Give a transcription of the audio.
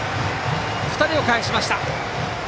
２人をかえしました。